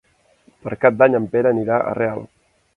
Per Cap d'Any en Pere anirà a Real.